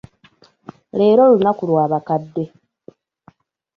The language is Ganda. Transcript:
Leero lunaku lw'abakadde.